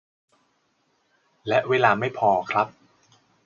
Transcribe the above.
และเวลาไม่พอครับ